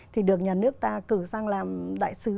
thì được nhà nước ta cử sang làm đại sứ